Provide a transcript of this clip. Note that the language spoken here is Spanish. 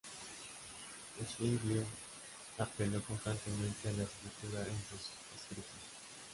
Zuinglio apeló constantemente a la Escritura en sus escritos.